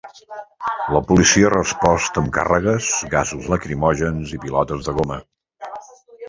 La policia ha respost amb càrregues, gasos lacrimògens i pilotes de goma.